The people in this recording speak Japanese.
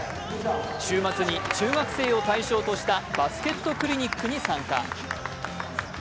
週末に中学生を対象としたバスケットクリニックに参加。